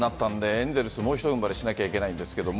エンゼルス、もうひと踏ん張りしなきゃいけないんですけど